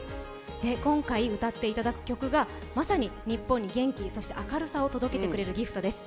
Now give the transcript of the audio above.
今回、歌っていただく曲がまさに日本に元気、明るさを届けてくれる曲です。